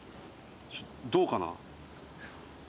どうかな？